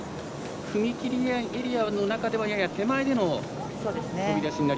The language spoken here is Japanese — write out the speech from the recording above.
踏切エリアの中ではやや手前での跳びだし。